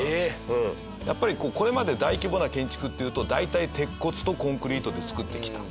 やっぱりこれまで大規模な建築っていうと大体鉄骨とコンクリートで造ってきた。